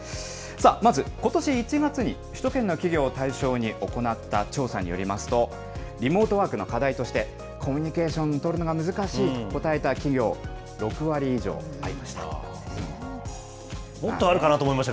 まず、ことし１月に首都圏の企業を対象に行った調査によりますと、リモートワークの課題として、コミュニケーション取るのが難しいもっとあるかなと思いました